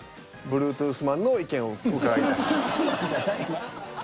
ブルートゥースマンじゃない。